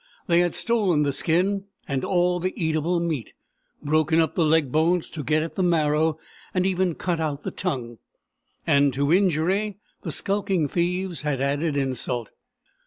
They had stolen the skin and all the eatable meat, broken up the leg bones to get at the marrow, and even cut out the tongue. And to injury the skulking thieves had added insult.